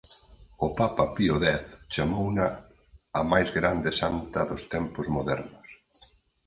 O papa Pío X chamouna "a máis grande santa dos tempos modernos".